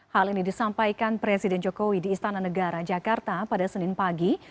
hal ini disampaikan presiden jokowi di istana negara jakarta pada senin pagi